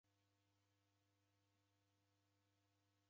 Magome ghangia modenyi.